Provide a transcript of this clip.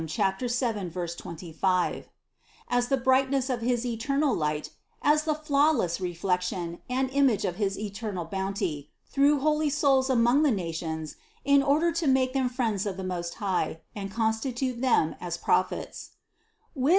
7, 25) as the brightness of his eternal light, as the flawless reflection and image of his eternal bounty, through holy souls among the nations in order to make them friends of the Most High and constitute them as Prophets (Wis.